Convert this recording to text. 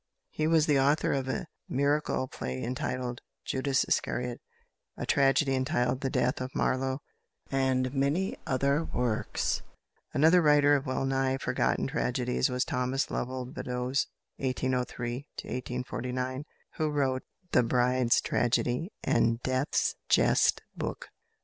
He was the author of a miracle play entitled "Judas Iscariot," a tragedy entitled "The Death of Marlowe," and many other works. Another writer of well nigh forgotten tragedies was =Thomas Lovell Beddoes (1803 1849)=, who wrote "The Bride's Tragedy" and "Death's Jest Book."